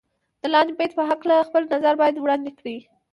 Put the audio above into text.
د لاندې بیت په هکله خپل نظر باید وړاندې کړئ.